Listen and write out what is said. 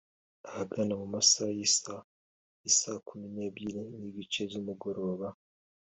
Ahagana mu masaha y’Isaa Kumi n’ebyiri n’igice z’umugoroba